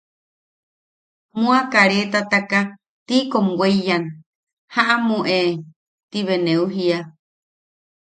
Mua kareetataka tiikom weiyan: ¡Jaʼamu e! ti bea neu jiia.